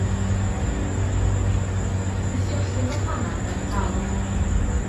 Wnes i ollwng 'y mhanad ar y llawr.